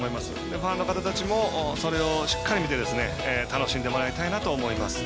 ファンの方たちもそれをしっかり見て楽しんでもらいたいなと思います。